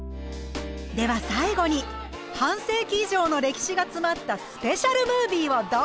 では最後に半世紀以上の歴史が詰まったスペシャルムービーをどうぞ！